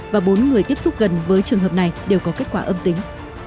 và bốn người tiếp xúc gần với trường hợp này đều có kết quả âm tính